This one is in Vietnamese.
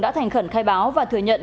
đã thành khẩn khai báo và thừa nhận